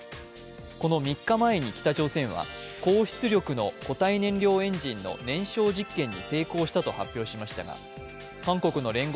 この３日前に北朝鮮は高出力の固体燃料エンジンの燃焼実験に成功したと発表しましたが韓国の聯合